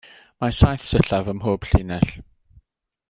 Mae saith sillaf ym mhob llinell.